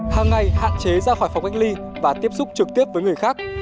hàng ngày hạn chế ra khỏi phòng cách ly và tiếp xúc trực tiếp với người khác